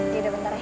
jadi udah bentar